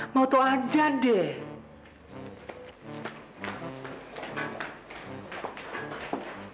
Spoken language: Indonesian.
mau tahu aja deh